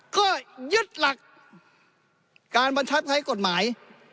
ก็ยึดหลักการบัญชาไทยกฎหมาย